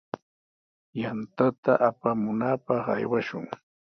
Yantata apamunapaq aywashun.